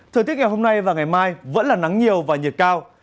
thời tiết ngày hôm nay và ngày mai vẫn là nắng nhiều và nhiệt cao